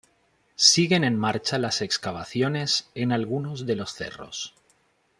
Siguen en marcha las excavaciones en algunos de los cerros.